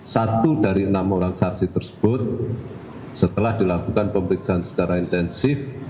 satu dari enam orang saksi tersebut setelah dilakukan pemeriksaan secara intensif